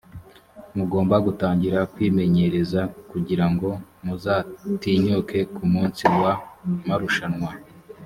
mugomba gutangira kwimenyereza kugirango muzatinyuke ku munsi wa marushanwa